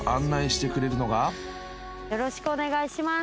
よろしくお願いします。